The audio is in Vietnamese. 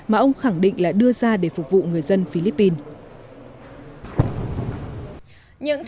mà ông khẳng định là đưa ra để phục vụ người dân philippines